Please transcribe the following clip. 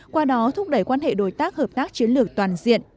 qua đó thúc đẩy quan hệ đối tác hợp tác chiến lược toàn diện